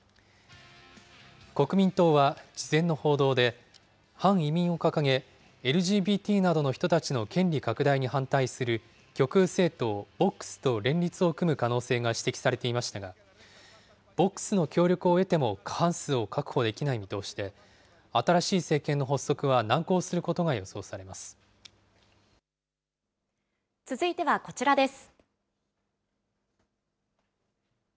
国民党は、事前の報道で、反移民を掲げ、ＬＧＢＴの人たちの権利拡大に反対する極右政党、ボックスと連立を組む可能性が指摘されていましたが、ボックスの協力を得ても過半数を確保できない見通しで、新しい政権の発足は続いてはこちらです。